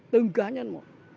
từng cá nhân một